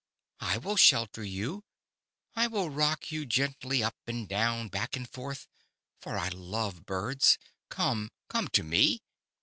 "I will shelter you; I will rock you gently up and down, back and forth, for I love birds. Come, come to me."